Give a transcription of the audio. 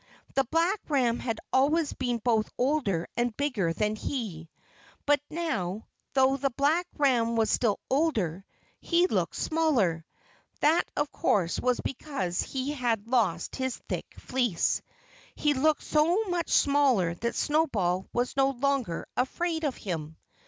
The black ram had always been both older and bigger than he. But now, though the black ram was still older, he looked smaller. That, of course, was because he had lost his thick fleece. He looked so much smaller that Snowball was no longer afraid of him.